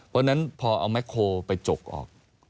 เพราะฉะนั้นพอเอาแม็กโคลไปจกออก